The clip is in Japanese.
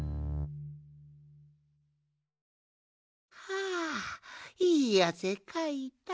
はあいいあせかいた。